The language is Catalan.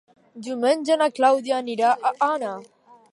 Diumenge na Clàudia anirà a Anna.